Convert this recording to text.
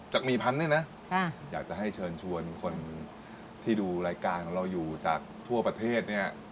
หมี่พันธุ์เนี่ยนะอยากจะให้เชิญชวนคนที่ดูรายการของเราอยู่จากทั่วประเทศเนี่ย